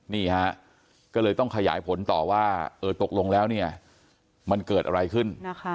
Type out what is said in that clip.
นี่ฮะก็เลยต้องขยายผลต่อว่าตกลงแล้วเนี่ยมันเกิดอะไรขึ้น